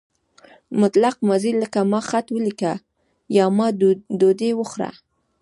مطلق ماضي لکه ما خط ولیکه یا ما ډوډۍ وخوړه.